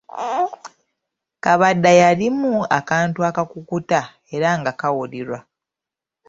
Kabada yalimu akantu akakukuta era nga kawulirwa.